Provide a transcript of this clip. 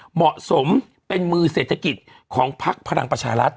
เหมาะสมเป็นมือเศรษฐกิจของพักพลังประชารัฐ